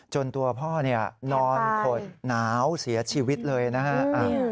ตัวพ่อนอนขดหนาวเสียชีวิตเลยนะฮะ